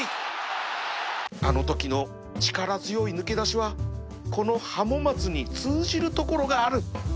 あのときの力強い抜け出しはこのハモマツに通じるところがある